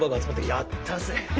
やったぜ！